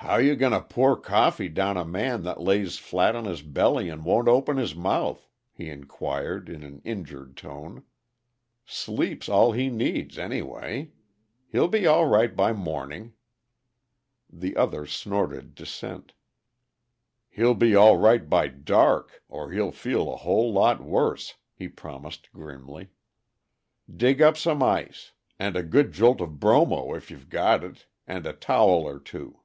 "How you going to pour coffee down a man that lays flat on his belly and won't open his mouth?" he inquired, in an injured tone. "Sleep's all he needs, anyway. He'll be all right by morning." The other snorted dissent. "He'll be all right by dark or he'll feel a whole lot worse," he promised grimly. "Dig up some ice. And a good jolt of bromo, if you've got it and a towel or two."